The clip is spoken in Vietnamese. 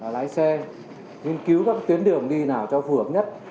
lái xe nghiên cứu các tuyến đường đi nào cho phù hợp nhất